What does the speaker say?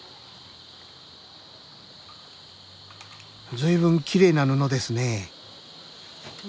随分きれいな布ですね。